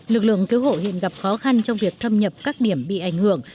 lực lượng cứu hộ hiện gặp khó khăn trong việc thâm nhập các điểm bị ảnh hưởng